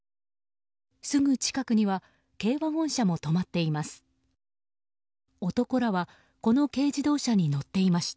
すぐ近くには軽ワゴン車も止まっています。